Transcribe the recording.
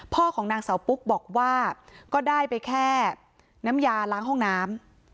ของนางเสาปุ๊กบอกว่าก็ได้ไปแค่น้ำยาล้างห้องน้ำ